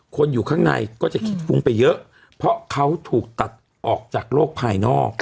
คนอยู่ข้างในก็จะคิดฟุ้งไปเยอะเพราะเขาถูกตัดออกจากโลกภายนอก